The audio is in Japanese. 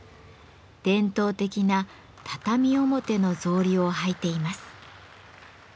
伝統的な畳表の草履を履いています。